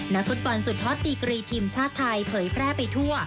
นักศึกษ์บอลทีมชาติไทยเผยแพร่ไปทั่ว